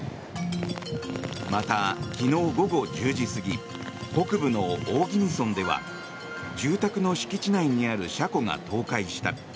また、昨日午後１０時過ぎ北部の大宜味村では住宅の敷地内にある車庫が倒壊した。